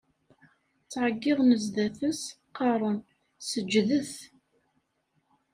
Ttɛeggiḍen zdat-s, qqaren: Seǧǧdet!